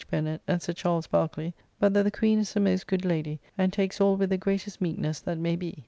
Bennet, and Sir Charles Barkeley; but that the queen is a most good lady, and takes all with the greatest meekness that may be.